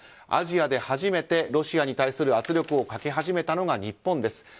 アジアで初めてロシアに対する強い圧力をかけたのが日本です。